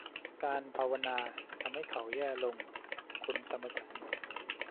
การภาวนาทำให้เขาแย่ลง คุณซัมเมอร์สัน